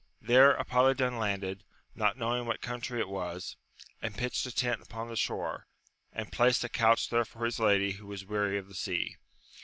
There Apolidon landed, not knowing what country it was, and pitched a tent upon the shore, and placed a couch there for his lady, who was weary of the sea.